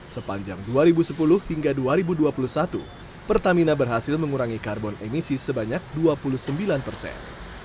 sepanjang dua ribu sepuluh hingga dua ribu dua puluh satu pertamina berhasil mengurangi karbon emisi sebanyak dua puluh sembilan persen